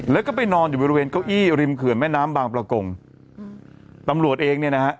แล้วก็ไปนอนอยู่บริเวณเก้าอี้ริมเขื่อนแม่น้ำบางประกงตำรวจเองเนี่ยนะฮะ